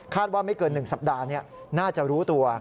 ว่าไม่เกิน๑สัปดาห์น่าจะรู้ตัว